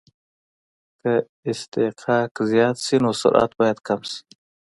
که اصطکاک زیات شي نو سرعت باید کم شي